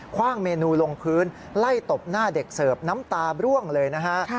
ว่างเมนูลงพื้นไล่ตบหน้าเด็กเสิร์ฟน้ำตาบร่วงเลยนะฮะ